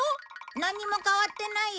なんにも変わってないよ。